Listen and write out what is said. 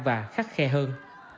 và khắc khe hơn